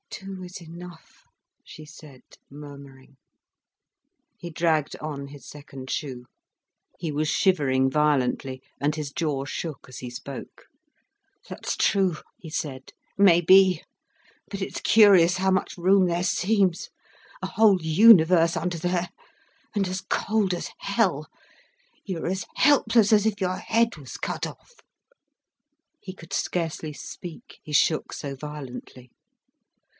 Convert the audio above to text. "Two is enough," she said murmuring. He dragged on his second shoe. He was shivering violently, and his jaw shook as he spoke. "That's true," he said, "maybe. But it's curious how much room there seems, a whole universe under there; and as cold as hell, you're as helpless as if your head was cut off." He could scarcely speak, he shook so violently.